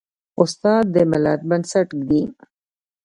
استاد د ملت بنسټ ږدي.